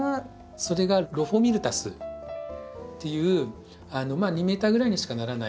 それがロフォミルタスっていうまあ２ｍぐらいにしかならない。